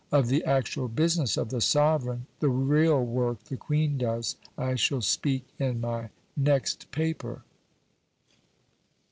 Of the actual business of the sovereign the real work the Queen does I shall speak in my next paper.